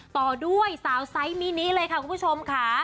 ต่อด้วยสาวไซส์มินิเลยค่ะคุณผู้ชมค่ะ